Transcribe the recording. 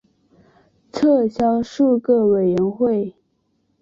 撤销数个委员会。